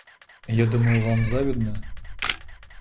Я думаю, вам завидно?